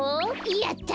やった！